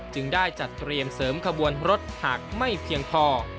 จึงได้จัดเตรียมเสริมขบวนรถหากไม่เพียงพอ